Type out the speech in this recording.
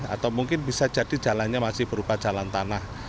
atau mungkin bisa jadi jalannya masih berupa jalan tanah